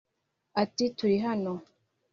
Ati " Turi hano